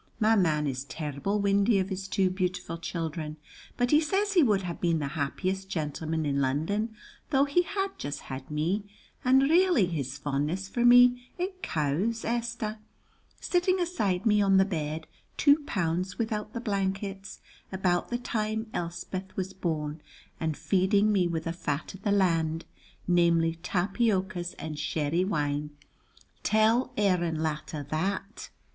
My man is terrible windy of his two beautiful children, but he says he would have been the happiest gentleman in London though he had just had me, and really his fondness for me, it cows, Esther, sitting aside me on the bed, two pounds without the blankets, about the time Elspeth was born, and feeding me with the fat of the land, namely, tapiocas and sherry wine. Tell Aaron Latta that.